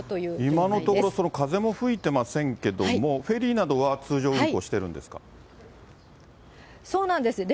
今のところ、風も吹いてませんけれども、フェリーなどは通常運航してるんですか。